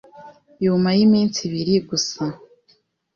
yuma y’iminsi ibiri gusa